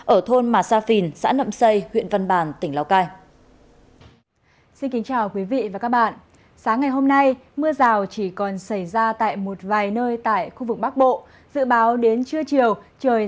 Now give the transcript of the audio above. ở thôn mà sa phìn xã nậm xây huyện văn bàn tỉnh lào cai